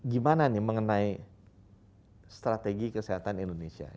gimana nih mengenai strategi kesehatan indonesia